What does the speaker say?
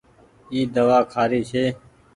اي دوآ کآري ڇي۔